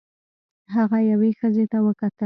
هغه یوې ښځې ته وکتل.